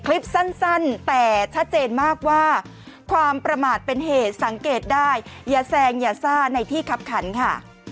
คลิปสั้นแต่ชัดเจนมากว่าความประมาทเป็นเหตุสังเกตได้อย่าแซงอย่าซ่าในที่คับขันค่ะ